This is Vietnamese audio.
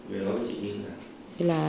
về đó chị ninh à